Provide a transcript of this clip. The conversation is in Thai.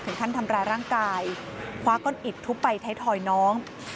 ท่านทำร้ายร่างกายคว้าก้อนอิดทุบไปไทยทอยน้อง